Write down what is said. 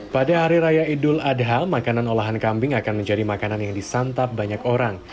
pada hari raya idul adha makanan olahan kambing akan menjadi makanan yang disantap banyak orang